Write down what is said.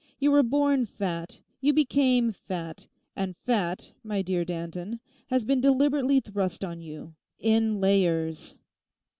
You were born fat; you became fat; and fat, my dear Danton, has been deliberately thrust on you—in layers!